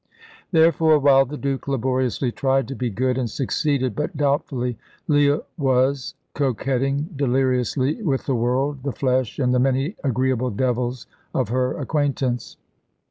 Therefore, while the Duke laboriously tried to be good, and succeeded but doubtfully, Leah was coquetting deliriously with the world, the flesh, and the many agreeable devils of her acquaintance.